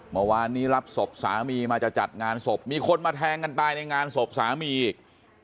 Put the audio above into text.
เมื่อวานนี้รับศพสามีมาจะจัดงานศพมีคนมาแทงกันตายในงานศพสามีอีก